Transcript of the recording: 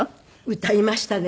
歌いましたね。